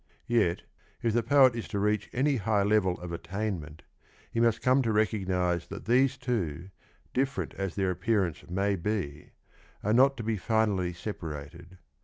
Yet, if the poet is to reach any high level of attainment, he must come to recognise that these two, diff"erent as their appearance may be, are not to be finally separated.